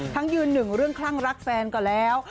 ยืนหนึ่งเรื่องคลั่งรักแฟนก็แล้ว